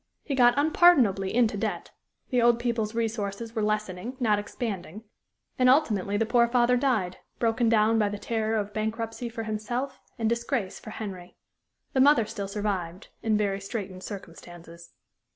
He got unpardonably into debt; the old people's resources were lessening, not expanding; and ultimately the poor father died broken down by the terror of bankruptcy for himself and disgrace for Henry. The mother still survived, in very straitened circumstances.